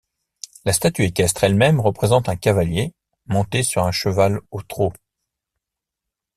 La statue équestre elle-même représente un cavalier monté sur un cheval au trot.